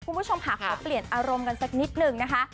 คุณผู้ชมค่ะขอเปลี่ยนอารมณ์กันสักนิดหนึ่งนะคะ